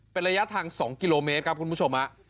เป็นระยะทาง๒กิโลเมตรครับคุณผู้ชม